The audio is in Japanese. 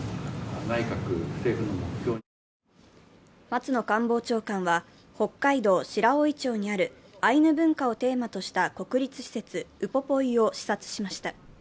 松野官房長官は、北海道白老町にあるアイヌ文化をテーマとした国立施設、ウポポイを視察しました。